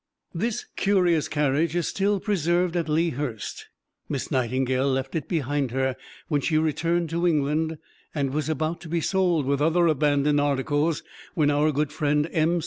" This curious carriage is still preserved at Lea Hurst. Miss Nightingale left it behind her when she returned to England, and it was about to be sold, with other abandoned articles, when our good friend M.